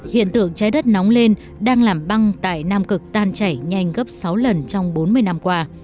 hiện tượng trái đất nóng lên đang làm băng tại nam cực tan chảy nhanh gấp sáu lần trong bốn mươi năm qua